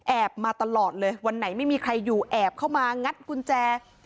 มาตลอดเลยวันไหนไม่มีใครอยู่แอบเข้ามางัดกุญแจ